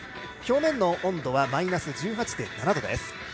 表面の温度はマイナス１８．７度。